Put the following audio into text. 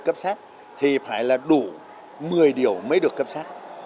khi cấp sắc thì phải là đủ một mươi điều mới được cấp sắc